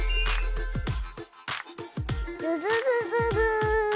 ズズズズズー。